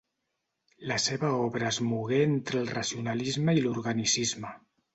La seva obra es mogué entre el racionalisme i l'organicisme.